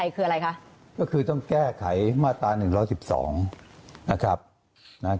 ก็คือต้องแก้ไขมาตรา๑๑๒นะครับแก้ไข